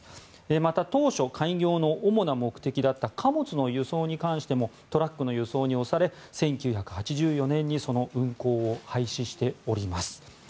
また当初、開業の主な目的だった貨物の輸送に関してもトラックの輸送に押され１９８４年にその運行を廃止しております。